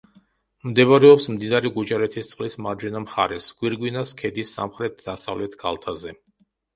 მდებარეობს მდინარე გუჯარეთისწყლის მარჯვენა მხარეს, გვირგვინას ქედის სამხრეთ–დასავლეთ კალთაზე.